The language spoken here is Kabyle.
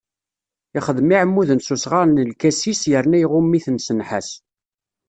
Ixdem iɛmuden s usɣar n lkasis, yerna iɣumm-iten s nnḥas.